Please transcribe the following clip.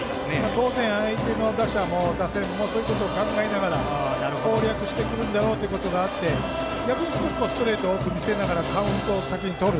当然相手の打者も打線もそういうことを考えながら攻略してくるだろうということがあって逆にストレートを多く見せながらカウントを先にとる。